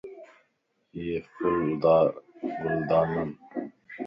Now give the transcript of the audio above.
ايي ڦولدار گلدانن